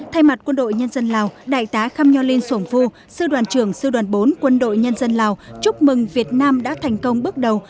thay mặt quân đội nhân dân lào đại tá khăm nho linh xuổng phu sư đoàn trưởng sư đoàn bốn quân đội nhân dân lào chúc mừng việt nam đã thành công bước đầu